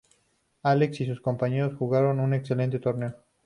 Alex y sus compañeros jugaron un excelente torneo.